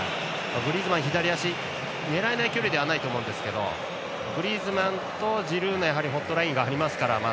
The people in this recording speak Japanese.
グリーズマンは左足で狙えない距離じゃないと思いますがグリーズマンとジルーのホットラインがあるので。